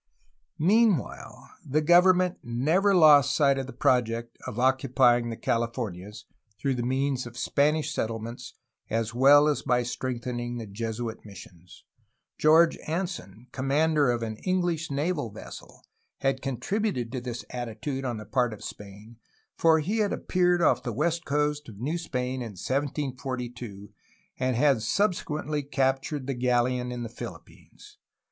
Meanwhile the government never lost sight of the project of occupying the Californias through the means of Spanish settlements as well as by strengthening the Jesuit missions. George Anson, commander of an English naval vessel, had contributed to this attitude on the part of Spain, for he had appeared off the west coast of New Spain in 1742, and had subsequently captured the galleon in the Philippines.